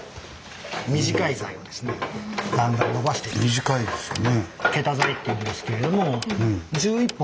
短いですよね。